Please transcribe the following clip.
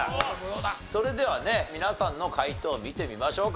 それではね皆さんの解答見てみましょうか。